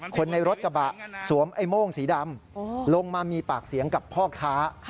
คนในรถกระบะสวมไอ้โม่งสีดำลงมามีปากเสียงกับพ่อค้า